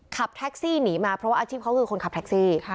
ขับแท็กซี่หนีมาเพราะว่าอาชีพเขาคือคนขับแท็กซี่